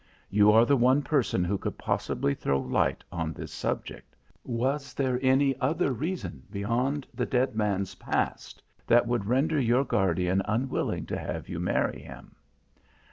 You are the one person who could possibly throw light on this subject. Was there any other reason beyond the dead man's past that would render your guardian unwilling to have you marry him?"